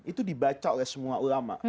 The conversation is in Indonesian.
itu dibaca oleh semua ulama